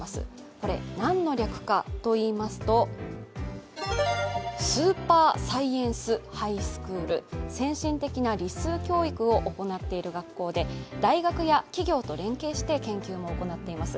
これ、何の略かといいますと先進的な理数教育を行っている学校で、大学や企業と連携して研究も行っています。